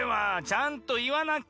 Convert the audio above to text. ちゃんといわなきゃ。